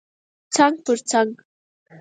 څنګ پر څنګ